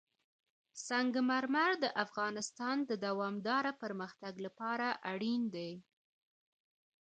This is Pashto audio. سنگ مرمر د افغانستان د دوامداره پرمختګ لپاره اړین دي.